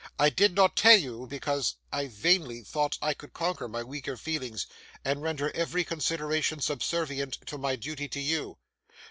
I did not tell you so, because I vainly thought I could conquer my weaker feelings, and render every consideration subservient to my duty to you.